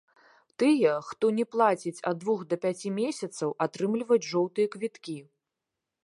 Тыя, хто не плаціць ад двух да пяці месяцаў, атрымліваюць жоўтыя квіткі.